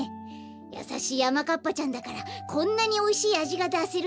やさしいあまかっぱちゃんだからこんなにおいしいあじがだせるんだね。